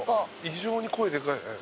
異常に声でかいね。